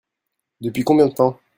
Depuis combien de temps ?